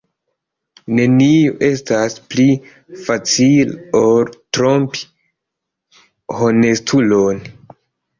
Nenio estas pli facila, ol trompi honestulon.